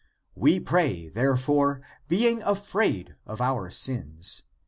^ We pray, therefore, being afraid of our sins.